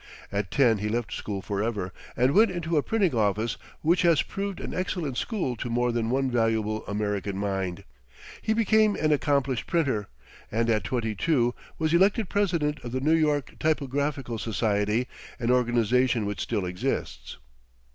At ten he left school forever, and went into a printing office, which has proved an excellent school to more than one valuable American mind. He became an accomplished printer, and at twenty two was elected president of the New York Typographical Society, an organization which still exists.